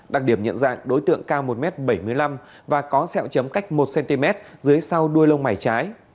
đặc điểm nhận ra đối tượng cao một m bảy mươi năm và có xeo chấm cách một cm dưới sau đuôi lông mải trái